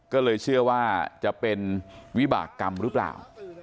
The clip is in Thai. ก็เลยเชื่อว่าจะเป็นวิบากรรมหรือเปล่า